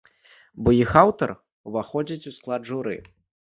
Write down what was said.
Бо іх аўтар уваходзіць у склад журы.